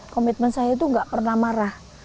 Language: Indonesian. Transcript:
komitmen saya itu gak pernah marah